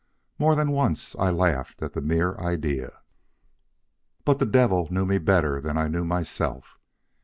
More than once I laughed at the mere idea. "But the devil knew me better than I knew myself.